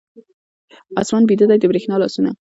آسمان بیده دی، د بریښنا لاسونه